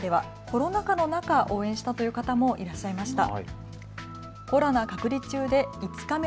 コロナ禍の中、応援したという方もいらっしゃいました。